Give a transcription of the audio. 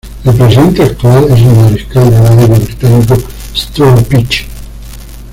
El presidente actual es el mariscal del aire británico Stuart Peach.